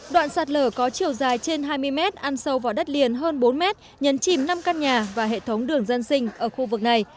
đoạn sạt lở có chiều dài trên hai mươi mét ăn sâu vào đất liền hơn bốn mét nhấn chìm năm căn nhà và hệ thống đường dân sinh ở khu vực này